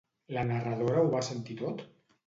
La narradora ho va sentir tot?